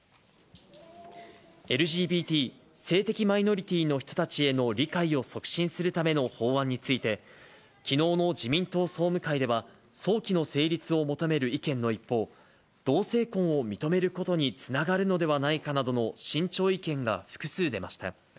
ＬＧＢＴ・性的マイノリティーの人たちへの理解を促進するための法案について、きのうの自民党総務会では、早期の成立を求める意見の一方、同性婚を認めることにつながるのではないかなどの慎重意見が複数出ました。